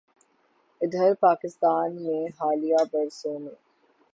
ادھر پاکستان میں حالیہ برسوں میں